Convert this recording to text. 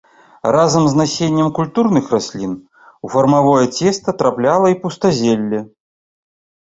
Разам з насеннем культурных раслін у фармавое цеста трапляла і пустазелле.